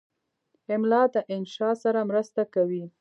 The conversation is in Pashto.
املا د انشا سره مرسته کوي.